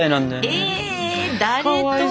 え誰と？